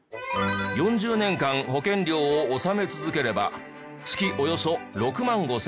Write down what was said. ４０年間保険料を納め続ければ月およそ６万５０００円。